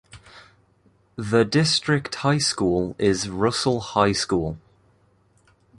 The district high school is Russell High School.